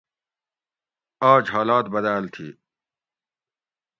آج حالات بدال تھی